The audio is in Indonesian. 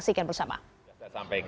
di daerah sana pak